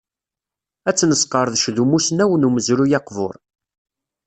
Ad tt-nesqerdec d umusnaw n umezruy aqbur.